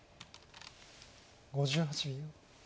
５８秒。